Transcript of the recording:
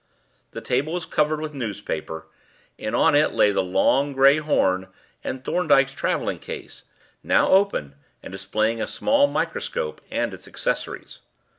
The table was covered with newspaper, and on it lay the long grey horn and Thorndyke's travelling case, now open and displaying a small microscope and its accessories.